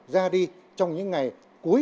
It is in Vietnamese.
ra đi trong những ngày cuối